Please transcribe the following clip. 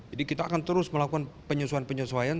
jadi kita akan terus melakukan penyesuaian penyesuaian